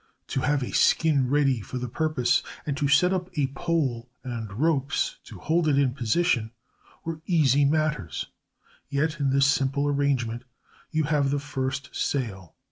To have a skin ready for the purpose, and to set up a pole and ropes to hold it in position, were easy matters; yet in this simple arrangement you have the first sail.